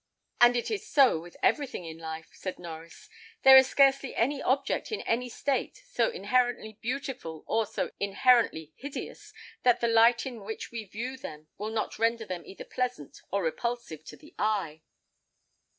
"And it is so with everything in life," said Norries. "There is scarcely any object in any state so inherently beautiful, or so inherently hideous, that the light in which we view them will not render them either pleasant or repulsive to the eye."